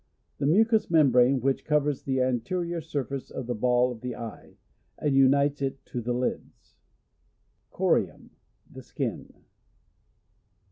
The mucous membrane which covers the anterior surface of the ball of the eye, and unites it to the lids. Corium. — The skin.